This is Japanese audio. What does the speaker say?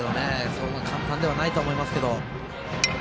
そう簡単ではないと思いすけど。